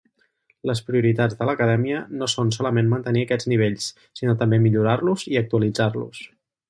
Les prioritats de l'Acadèmia no són solament mantenir aquests nivells, sinó també millorar-los i actualitzar-los.